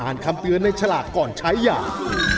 อ่านคำเตือนในฉลากก่อนใช้อย่าง